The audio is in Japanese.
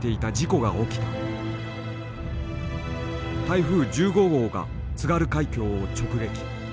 台風１５号が津軽海峡を直撃。